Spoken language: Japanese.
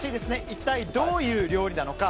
一体どういう料理なのか。